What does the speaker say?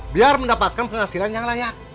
biar mendapatkan penghasilan yang layak